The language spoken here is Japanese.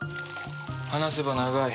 話せば長い。